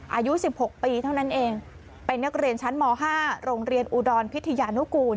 อายุสิบหกปีเท่านั้นเองไปนักเรียนชั้นหมอห้าโรงเรียนอุดรพิธญานุกูล